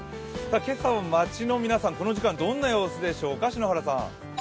今朝、街の皆さん、この時間どんな様子でしょうか。